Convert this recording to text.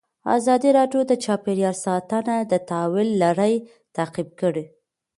ازادي راډیو د چاپیریال ساتنه د تحول لړۍ تعقیب کړې.